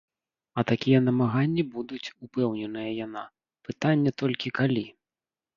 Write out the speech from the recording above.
А такія намаганні будуць, упэўненая яна, пытанне толькі, калі.